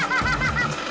tidak tidak tidak